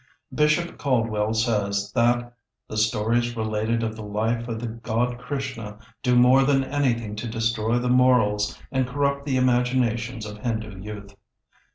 Bishop Caldwell says that "the stories related of the life of the god Krishna do more than anything to destroy the morals and corrupt the imaginations of Hindu youth."